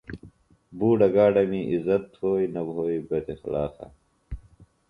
بُوڈہ گاڈمے عزت تھوئے نہ بھوئے بداخلاقہ۔